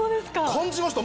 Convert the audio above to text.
感じました